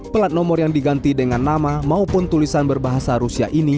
plat nomor yang diganti dengan nama maupun tulisan berbahasa rusia ini